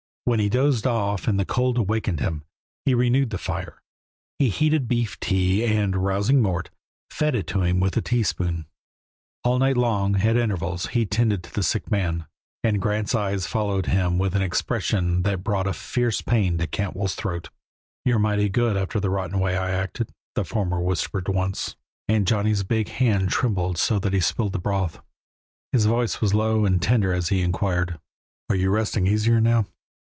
When he dozed off and the cold awakened him, he renewed the fire; he heated beef tea, and, rousing Mort, fed it to him with a teaspoon. All night long, at intervals, he tended the sick man, and Grant's eyes followed him with an expression that brought a fierce pain to Cantwell's throat. "You're mighty good after the rotten way I acted," the former whispered once. And Johnny's big hand trembled so that he spilled the broth. His voice was low and tender as he inquired, "Are you resting easier now?"